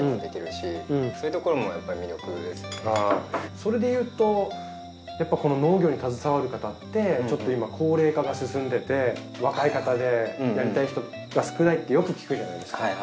それでいうとやっぱ農業に携わる方ってちょっと今高齢化が進んでて若い方でやりたい人が少ないってよく聞くじゃないですか。